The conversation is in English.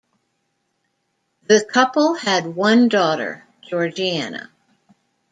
The couple had one daughter, Georgiana.